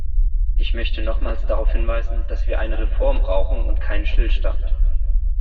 Ich möchte nochmals darauf hinweisen, dass wir eine Reform brauchen und keinen Stillstand!